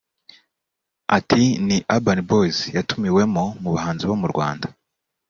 Ati “Ni Urban Boyz yatumiwemo mu bahanzi bo mu Rwanda